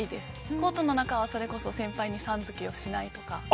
コートの中は、それこそ先輩にさん付けしないとか。